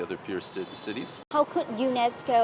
có thể giúp phát triển